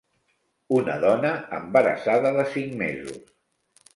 Una dona embarassada de cinc mesos.